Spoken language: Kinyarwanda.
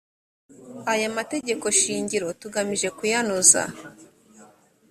aya mategeko shingiro tugamije kuyanoza